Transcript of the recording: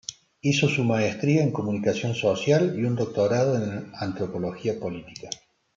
Hizo su maestría en comunicación social y un doctorado en antropología política.